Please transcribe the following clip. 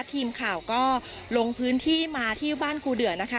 ทีมข่าวก็ลงพื้นที่มาที่บ้านครูเดือนะคะ